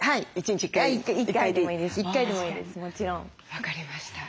分かりました。